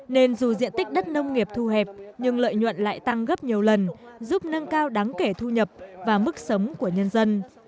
nên dù diện tích đất nông nghiệp thu hẹp nhưng lợi nhuận lại tăng gấp nhiều lần giúp nâng cao đáng kể thu nhập và mức sống của nhân dân